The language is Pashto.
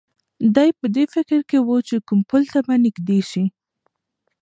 دی په دې فکر کې و چې کوم پل ته نږدې شي.